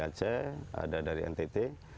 aceh ada dari ntt